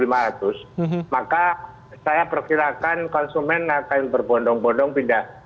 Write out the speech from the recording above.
maka saya perkirakan konsumen akan berbondong bondong pindah